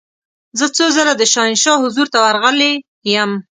زه څو ځله د شاهنشاه حضور ته ورغلې یم.